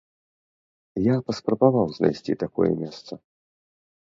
Я паспрабаваў знайсці такое месца.